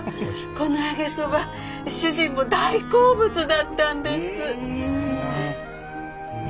この揚げそば主人も大好物だったんです。